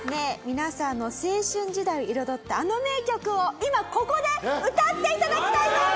皆さんの青春時代を彩ったあの名曲を今ここで歌っていただきたいと思います！